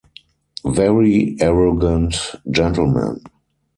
very arrogant gentlemen.